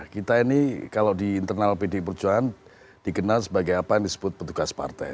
kita ini kalau di internal pdi perjuangan dikenal sebagai apa yang disebut petugas partai